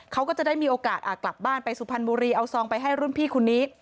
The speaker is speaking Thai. เขาก็จะได้มีโอกาสกลับบ้านไปสุพรรณบุรีเอาซองไปให้รุ่นพี่คนนี้